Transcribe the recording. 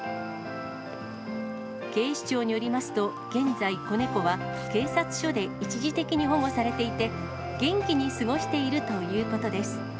警視庁によりますと、現在、子猫は警察署で一時的に保護されていて、元気に過ごしているということです。